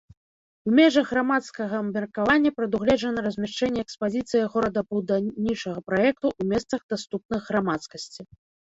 У межах грамадскага абмеркавання прадугледжана размяшчэнне экспазіцыі горадабудаўнічага праекту ў месцах, даступных грамадскасці.